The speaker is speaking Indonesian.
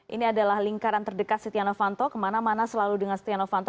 ini adalah lingkaran terdekat setia novanto kemana mana selalu dengan setia novanto